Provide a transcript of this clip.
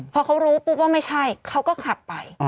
พอเขารู้ปุ๊บว่าไม่ใช่เขาก็ขับไป